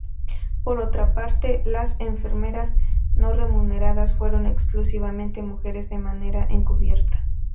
Por otra parte, las enfermeras no remuneradas fueron exclusivamente mujeres de manera encubierta.